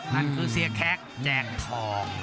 นั่นคือเสียแคคแดงทอง